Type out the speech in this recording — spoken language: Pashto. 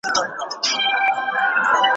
پرون یې کلی، نن محراب سبا چنار سوځوي